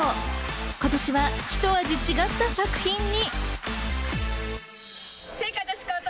今年はひと味違った作品に。